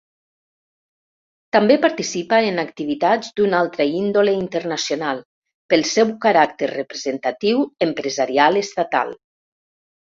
També participa en activitats d'una altra índole internacional, pel seu caràcter representatiu empresarial estatal.